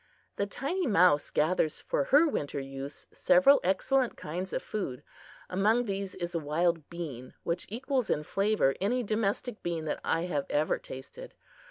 The tiny mouse gathers for her winter use several excellent kinds of food. Among these is a wild bean which equals in flavor any domestic bean that I have ever tasted.